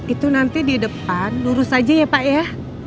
itu nanti di depan lurus aja ya pak ya